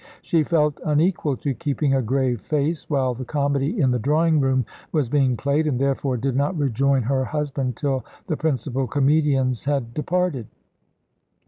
She felt unequal to keeping a grave face while the comedy in the drawing room was being played, and therefore did not rejoin her husband till the principal comedians had departed.